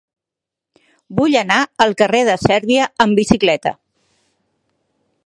Vull anar al carrer de Sèrbia amb bicicleta.